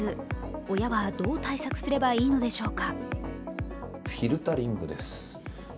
親はどう対策すればいいのでしょうか。